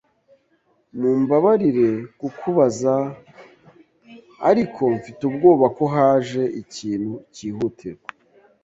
Mumbabarire kukubabaza, ariko mfite ubwoba ko haje ikintu cyihutirwa.